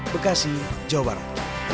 bekasi jawa barat